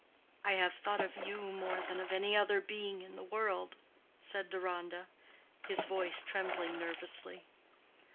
"I have thought of you more than of any other being in the world," said Deronda, his voice trembling nervously.